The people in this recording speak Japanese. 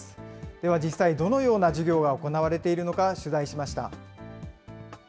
では、実際、どのような授業が行われているのか取材しました。